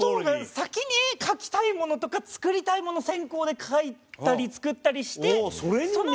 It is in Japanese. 先に描きたいものとか作りたいもの先行で描いたり作ったりして。